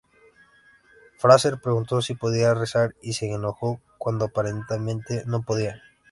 Frazer preguntó si podía rezar y se enojó cuando aparentemente no podía.